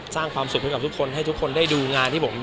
สร้างความสุขให้ทุกคนได้ดูงานที่ผม